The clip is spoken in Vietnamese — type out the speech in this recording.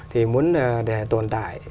thì muốn để tồn tại